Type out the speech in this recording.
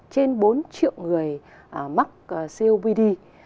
trên bốn triệu người mắc copd